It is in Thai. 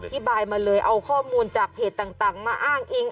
อธิบายมาเลยเอาข้อมูลจากเพจต่างมาอ้างอิง